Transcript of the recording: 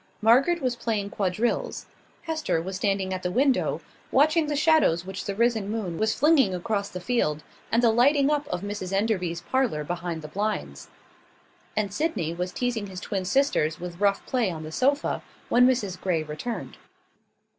Margaret was playing quadrilles; Hester was standing at the window, watching the shadows which the risen moon was flinging across the field, and the lighting up of Mrs Enderby's parlour behind the blinds; and Sydney was teasing his twin sisters with rough play on the sofa, when Mrs Grey returned.